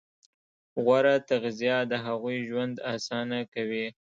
غوره تغذیه د هغوی ژوند اسانه کوي.